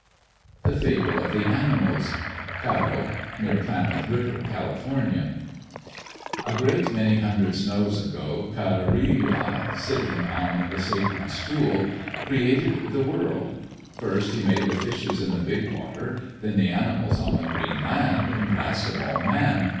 The Fable of the Animals Karok (near Klamath River,. Cal.) A great many hundred snows ago, Kareya, sitting on the Sacred Stool, created the world. First, he made the fishes in the Big Water, then the animals on the green land, and last of all, Man!